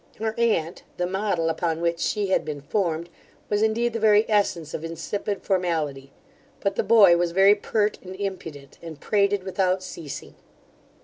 Her aunt, the model upon which she had been formed, was indeed the very essence of insipid formality but the boy was very pert and impudent, and prated without ceasing.